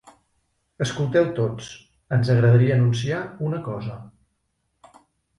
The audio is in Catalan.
Escolteu tots, ens agradaria anunciar una cosa.